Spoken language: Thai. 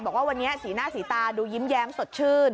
บอกว่าวันนี้สีหน้าสีตาดูยิ้มแย้มสดชื่น